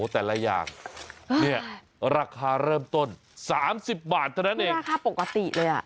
แต่ละอย่างเนี่ยราคาเริ่มต้น๓๐บาทเท่านั้นเองราคาปกติเลยอ่ะ